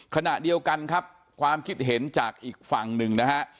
ขณะเดียวกันครับความคิดเห็นจากอีกฝั่งหนึ่งนะฮะ